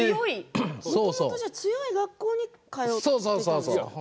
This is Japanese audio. もともと強い学校に通っていたんですね。